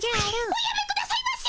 おやめくださいませ！